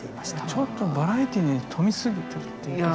ちょっとバラエティーに富みすぎてる。